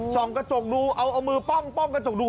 ส่องกระจกดูเอามือป้องกระจกดู